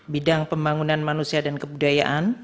bidang pembangunan manusia dan kebudayaan